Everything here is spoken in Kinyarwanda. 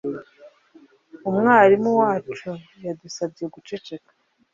Umwarimu wacu yadusabye guceceka